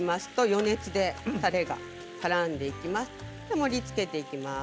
余熱でたれがからんできます。